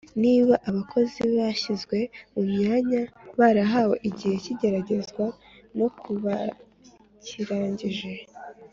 Niba abakozi bashyizwe mu myanya barahawe igihe cy igeragezwa no kubakirangije